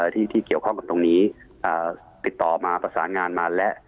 ที่ที่เกี่ยวข้องกับตรงนี้ติดต่อมาประสานงานมาและ